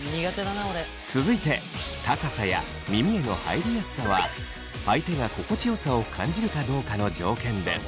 続いて高さや耳への入りやすさは相手が心地よさを感じるかどうかの条件です。